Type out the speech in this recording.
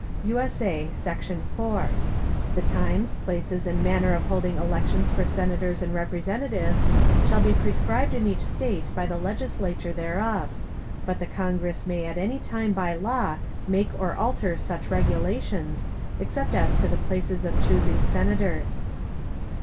[USA] Section 4. The Times, Places and Manner of holding Elections for Senators and Representatives, shall be prescribed in each State by the Legislature thereof: but the Congress may at any time by Law make or alter such Regulations, except as to the places of chusing Senators.